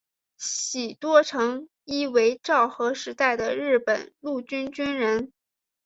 喜多诚一为昭和时代的日本陆军军人。